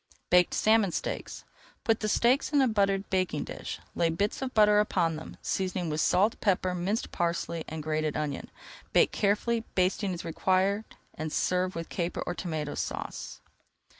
BAKED SALMON STEAKS Put the steaks in a buttered baking dish. Lay bits of butter upon them, seasoning with salt, pepper, minced parsley, and grated onion. Bake carefully, basting as required, and serve with Caper or Tomato Sauce.